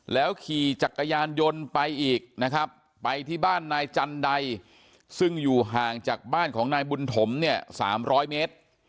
ขี่จักรยานยนต์ไปอีกนะครับไปที่บ้านนายจันไดซึ่งอยู่ห่างจากบ้านของนายบุญถมเนี่ย๓๐๐เมตร